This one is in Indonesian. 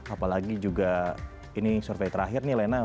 apalagi juga ini survei terakhir nih lena